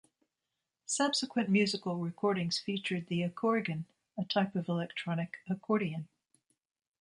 Subsequent musical recordings featured the accorgan, a type of electronic accordion.